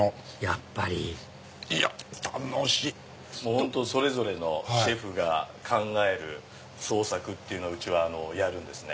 やっぱりいやっ楽しい！それぞれのシェフが考える創作っていうのをうちはやるんですね。